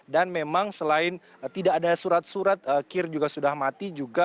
dan memang selain tidak ada surat surat kir juga sudah mati